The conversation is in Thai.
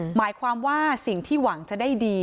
หมายความว่าสิ่งที่หวังจะได้ดี